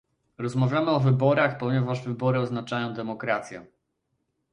Rozmawiamy o wyborach, ponieważ wybory oznaczają demokrację